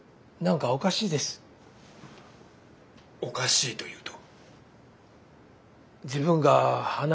おかしいというと？